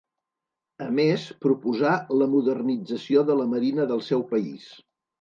A més, proposà la modernització de la marina del seu país.